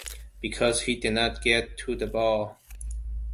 Because he didn't get to the ball.